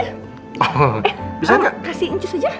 eh bisa gak kasih incus aja